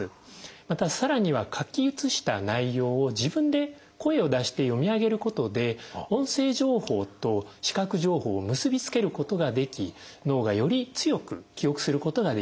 またさらには書き写した内容を自分で声を出して読み上げることで音声情報と視覚情報を結び付けることができ脳がより強く記憶することができると。